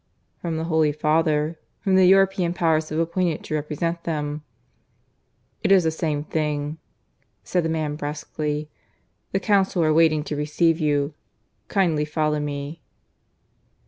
"From the Holy Father, whom the European Powers have appointed to represent them." "It is the same thing," said the man brusquely. "The Council are waiting to receive you. Kindly follow me."